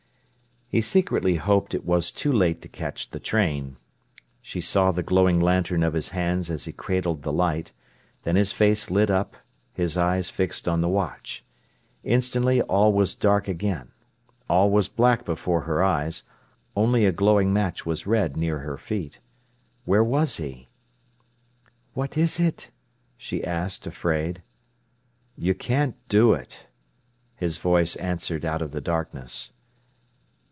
He secretly hoped it was too late to catch the train. She saw the glowing lantern of his hands as he cradled the light: then his face lit up, his eyes fixed on the watch. Instantly all was dark again. All was black before her eyes; only a glowing match was red near her feet. Where was he? "What is it?" she asked, afraid. "You can't do it," his voice answered out of the darkness.